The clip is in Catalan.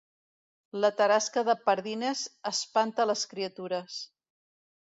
La tarasca de Pardines espanta les criatures